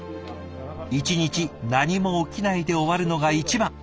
一日何も起きないで終わるのが一番。